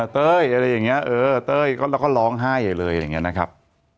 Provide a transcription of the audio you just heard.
เต้ยอะไรอย่างเงี้ยเต้ยแล้วก็ร้องไห้เลยอย่างเงี้ยนะครับ